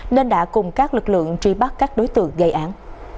nên đã cùng các lực lượng truy bắt các đối tượng gây án